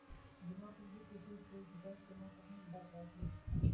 زما په زړه کې تېر شول چې کاشکې ماته هم ډب راکړي.